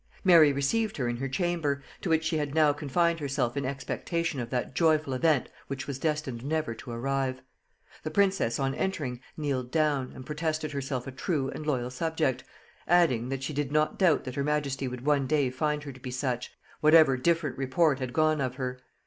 Mary received her in her chamber, to which she had now confined herself in expectation of that joyful event which was destined never to arrive. The princess on entering kneeled down, and protested herself a true and loyal subject, adding, that she did not doubt that her majesty would one day find her to be such, whatever different report had gone of her.